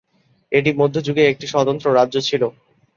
এটি মধ্যযুগে একটি স্বতন্ত্র রাজ্য ছিল।